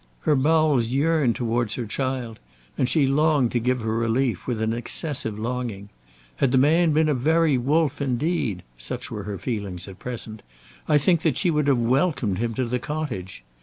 Her bowels yearned towards her child, and she longed to give her relief with an excessive longing. Had the man been a very wolf indeed, such were her feelings at present, I think that she would have welcomed him to the cottage.